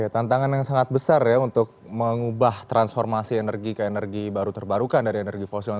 tantangan yang sangat besar ya untuk mengubah transformasi energi ke energi baru terbarukan dari energi fosil yang selama ini mendominasi bauran energi kita